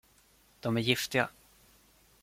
De är giftiga.